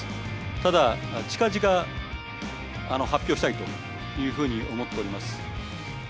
ただ、近々、発表したいというふうに思っております。